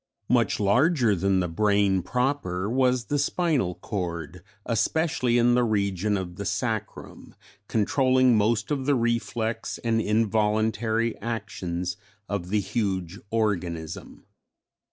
Much larger than the brain proper was the spinal cord, especially in the region of the sacrum, controlling most of the reflex and involuntary actions of the huge organism.